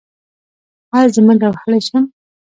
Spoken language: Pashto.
ایا زه منډه وهلی شم؟